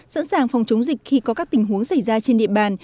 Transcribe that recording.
sẵn sàng phòng chống dịch khi có các tình huống xảy ra trên địa bàn